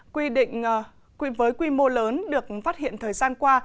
quy định với quy mô lớn được phát hiện thời gian qua